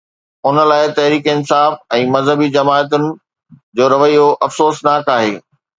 ان لاءِ تحريڪ انصاف ۽ مذهبي جماعتن جو رويو افسوسناڪ آهي.